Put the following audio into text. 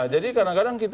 jadi kadang kadang kita